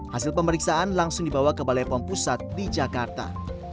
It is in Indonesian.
hasil pemeriksaan langsung dibawa ke balai pom pusat di jakarta